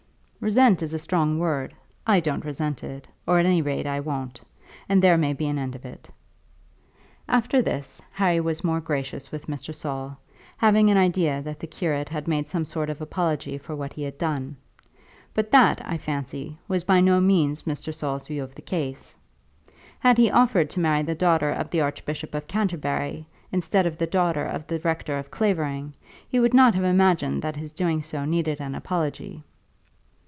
"Resent is a strong word. I don't resent it, or, at any rate, I won't; and there may be an end of it." After this, Harry was more gracious with Mr. Saul, having an idea that the curate had made some sort of apology for what he had done. But that, I fancy, was by no means Mr. Saul's view of the case. Had he offered to marry the daughter of the Archbishop of Canterbury, instead of the daughter of the Rector of Clavering, he would not have imagined that his doing so needed an apology.